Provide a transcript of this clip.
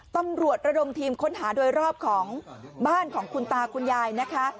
ตำรวจระดมทีมค้นหาโดยรอบของบ้านของคุณตาคุณยายนะคะ